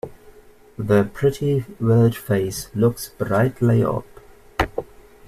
The pretty village face looks brightly up.